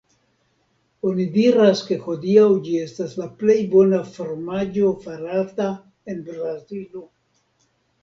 Oni diras ke hodiaŭ ĝi estas la plej bona fromaĝo farata en Brazilo.